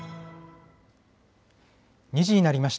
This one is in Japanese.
２時になりました。